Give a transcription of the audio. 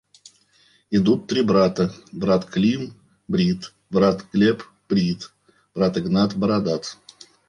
Идут три брата: брат Клим брит, брат Глеб брит, брат Игнат бородат.